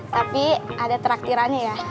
tapi ada traktirannya ya